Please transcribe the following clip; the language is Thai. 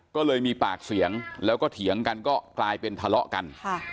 ก็เลยมีปากเสียงแล้วก็เถียงกันก็กลายเป็นทะเลาะกัน